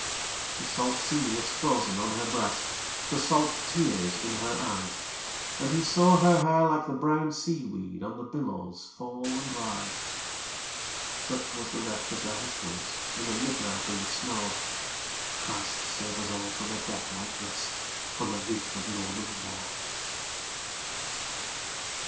The salt sea was frozen on her breast, The salt tears in her eyes; And he saw her hair like the brown sea weed On the billows fall and rise. Such was the wreck of the Hesperus, In the midnight and the snow! Christ save us all from a death like this, On the reef of Norman's Woe!